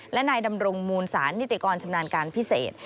และนายดำรงมูลศาลนิติกรชำนาญการพิเศษ